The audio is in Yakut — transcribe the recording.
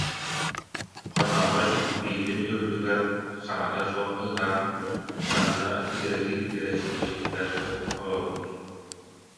Хонооһой биитин үрдүгэр саҥата суох ытаан, санна титирэстии-титирэстии, бэрт өр олорбут